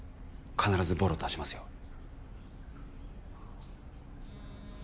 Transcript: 必ずボロ出しますよ。